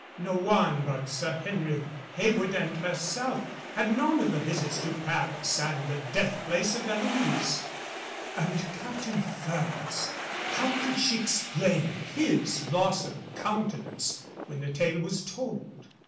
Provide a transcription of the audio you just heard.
No one but Sir Henry Heywood and herself had known of the visits to Paris and the death place of Eloise. And Captain Ferrers! How could she explain his loss of countenance when the tale was told?